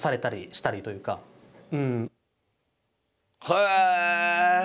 へえ！